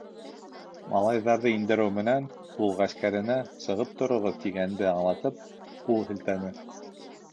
Малайҙарҙы индереү менән, ул ғәскәренә, сығып тороғоҙ, тигәнде аңлатып, ҡул һелтәне.